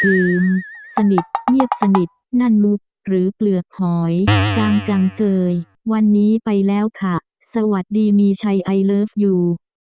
สนิทเงียบสนิทนั่นมุกหรือเปลือกหอยจางจังเจยวันนี้ไปแล้วค่ะสวัสดีมีชัยไอเลิฟยู